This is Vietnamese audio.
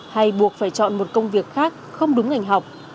hay buộc phải chọn một công việc khác không đúng ngành học